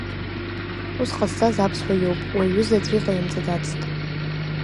Ус ҟазҵаз аԥсуа иоуп, уи аҩыза аӡәы иҟаимҵаӡацт.